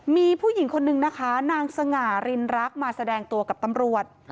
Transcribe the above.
มีผู้หญิงคนนึงนะคะนางสง่ารินรักมาแสดงตัวกับตำรวจ